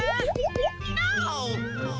น้าว